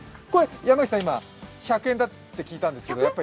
山口さん、今、１００円だって聞いたんですけど？